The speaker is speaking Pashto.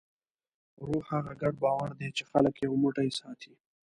روح هغه ګډ باور دی، چې خلک یو موټی ساتي.